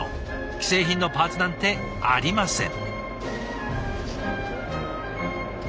既製品のパーツなんてありません。